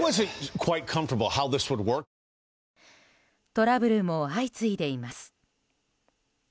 トラブルも相次いでいます。